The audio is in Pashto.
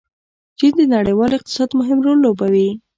چین د نړیوال اقتصاد مهم رول لوبوي.